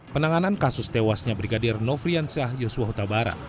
penanganan kasus tewasnya brigadir nofrian syah yusuf hutabara